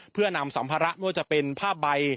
เพื่อนำสัมภาระไม่ว่าจะเป็นผ้าใบ